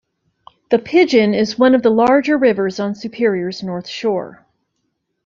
The Pigeon is one of the larger rivers on Superior's North Shore.